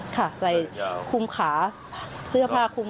เขามาขอข้าวกิน